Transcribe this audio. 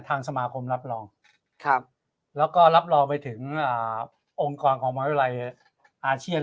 ทางสมาคมรับรองนี้ครับแล้วก็รับรองไปถึงองค์กรของฮวีไลองค์อาเชียล